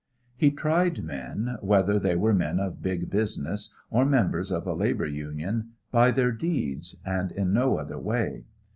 He tried men, whether they were men of "big business" or members of a labor union, by their deeds, and in no other way.